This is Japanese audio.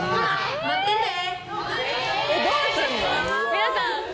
皆さん。